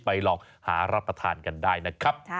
ลองหารับประทานกันได้นะครับ